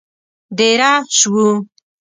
دېره شوو.